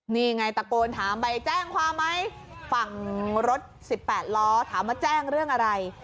นี่ไงตะโกนถามไปแจ้งความไหมฝั่งรถสิบแปดล้อถามว่าแจ้งเรื่องอะไร